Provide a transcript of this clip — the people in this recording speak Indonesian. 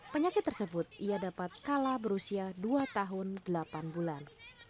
penyakit tersebut ia dapat kalah berusia dua tahun delapan bulan